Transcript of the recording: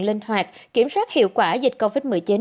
linh hoạt kiểm soát hiệu quả dịch covid một mươi chín